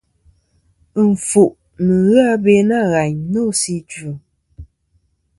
Ɨnfuʼ nɨn ghɨ abe nâ ghàyn nô sɨ idvɨ.